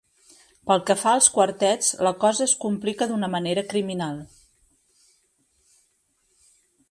Pel que fa als quartets, la cosa es complica d'una manera criminal.